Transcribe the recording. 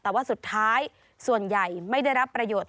แต่ว่าสุดท้ายส่วนใหญ่ไม่ได้รับประโยชน์